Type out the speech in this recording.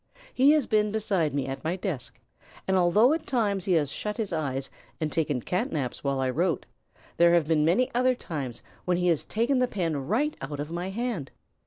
He has been beside me at my desk, and although at times he has shut his eyes and taken Cat naps while I wrote, there have been many other times when he has taken the pen right out of my hand.